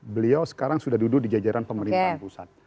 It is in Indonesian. beliau sekarang sudah duduk di jajaran pemerintahan pusat